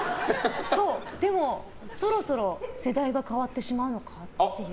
でも、そろそろ世代が変わってしまうのかっていう。